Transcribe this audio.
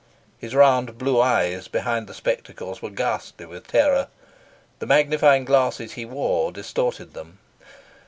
His round blue eyes behind the spectacles were ghastly with terror. The magnifying glasses he wore distorted them.